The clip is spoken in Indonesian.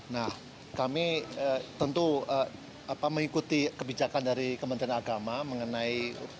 nah kami tentu mengikuti kebijakan dari kementerian agama mengenai